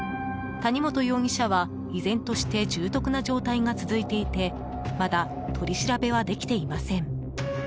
谷本容疑者は依然として重篤な状態が続いていてまだ取り調べはできていません。